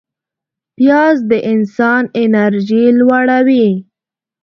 پیاز د انسان انرژي لوړوي